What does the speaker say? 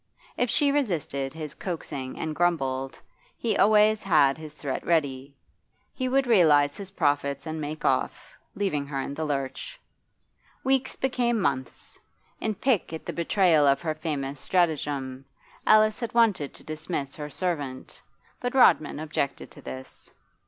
If she resisted his coaxing and grumbled, he always had his threat ready. He would realise his profits and make off, leaving her in the lurch. Weeks became months. In pique at the betrayal of her famous stratagem, Alice had wanted to dismiss her servant, but Rodman objected to this.